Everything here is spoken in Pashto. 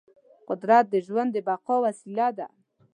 قدرت د ژوند د بقا وسیله ده.